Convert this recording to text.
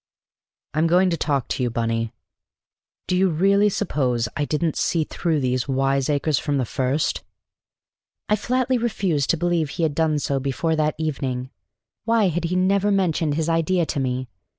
I'm going to talk to you, Bunny. Do you really suppose I didn't see through these wiseacres from the first?" I flatly refused to believe he had done so before that evening. Why had he never mentioned his idea to me?